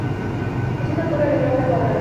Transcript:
Es una torre, de planta cuadrada.